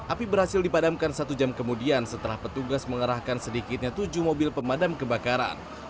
api berhasil dipadamkan satu jam kemudian setelah petugas mengerahkan sedikitnya tujuh mobil pemadam kebakaran